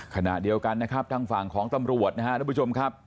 ขณะเดียวกันนะครับทางฝั่งของตำรวจนะครับทุกผู้ชมครับ